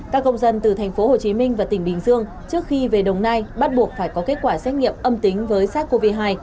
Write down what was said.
các công dân từ tp hcm và tỉnh bình dương trước khi về đồng nai bắt buộc phải có kết quả xét nghiệm âm tính với sars cov hai